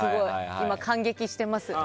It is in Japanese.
今、感激してます。